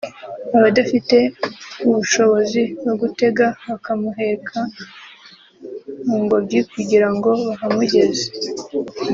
abadafite ubushobozi bwo gutega bakamuheka mu ngobyi kugira ngo bahamugeze